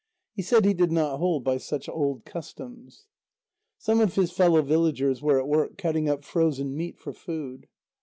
He said he did not hold by such old customs. Some of his fellow villagers were at work cutting up frozen meat for food.